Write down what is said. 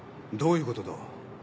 どういうことだ！？